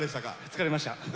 疲れました。